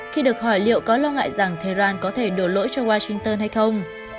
khi được hỏi liệu có lo ngại rằng tehran có thể đổ lỗi cho washington hay không